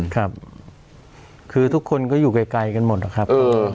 ครับคือทุกคนก็อยู่ไกลกันหมดนะครับ